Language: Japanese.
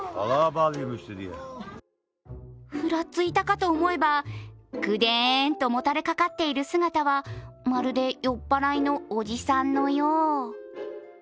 ふらついたかと思えばぐでーんともたれかかっている姿はまるで酔っぱらいのおじさんのよう。